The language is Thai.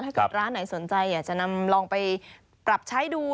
ถ้าเกิดร้านไหนสนใจอยากจะนำลองไปปรับใช้ดู